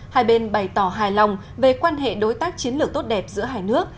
hai bên bày tỏ hài lòng về quan hệ đối tác chiến lược tốt đẹp giữa hai nước